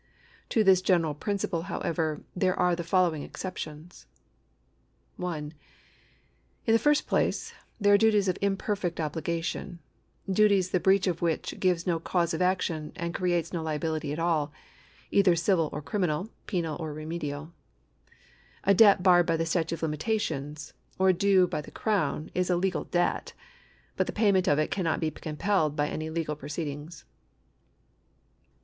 To this general principle, however, there are the following exceptions :— 1. In the first place, there are duties of imperfect obhga tion — duties the breach of which gives no cause of action, and creates no liability at all, either civil or criminal, penal or remedial. A debt barred by the statute of limitations, or due 1 Supra, § 27. 2 Supra, § 34. § 126] LIABILITY 321 by the Crown, is a legal debt, but the payment of it cannot be compelled by any legal proceedings.